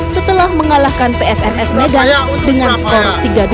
setelah mengalahkan psms medan dengan skor tiga dua